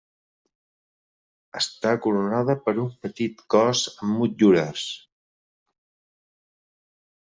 Està coronada per un petit cos amb motllures.